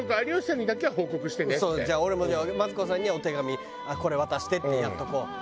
じゃあ俺も「マツコさんにはお手紙これ渡して」ってやっとこう。